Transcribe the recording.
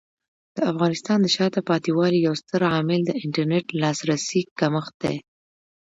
د افغانستان د شاته پاتې والي یو ستر عامل د انټرنیټ لاسرسي کمښت دی.